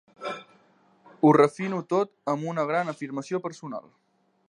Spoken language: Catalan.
Ho refino tot amb una gran afirmació personal.